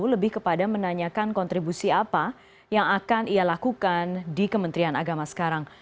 lebih kepada menanyakan kontribusi apa yang akan ia lakukan di kementerian agama sekarang